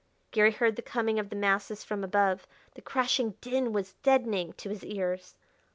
Garry heard the coming of the masses from above; the crashing din was deadening to his ears.